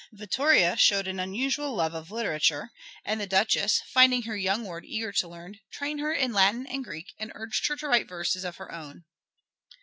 Vittoria showed an unusual love of literature, and the Duchess, finding her young ward eager to learn, trained her in Latin and Greek and urged her to write verses of her own.